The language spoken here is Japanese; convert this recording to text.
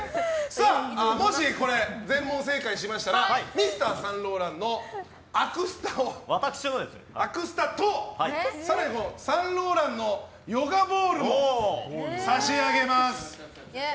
さて、もし全問正解したらＭｒ．サンローランのアクスタと更にサンローランのヨガボールを差し上げます！